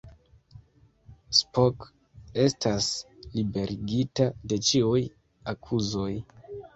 Spock estas liberigita de ĉiuj akuzoj.